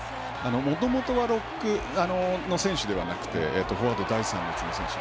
もともとはロックの選手ではなくて、フォワード第３列の選手。